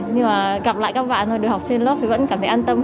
nhưng mà gặp lại các bạn thôi được học trên lớp thì vẫn cảm thấy an tâm